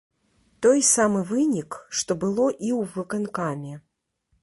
Той самы вынік, што было і ў выканкаме.